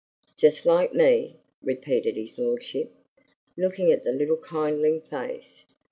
"Just like me!" repeated his lordship, looking at the little kindling face.